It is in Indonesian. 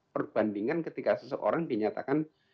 perbandingan ketika seseorang dinyatakan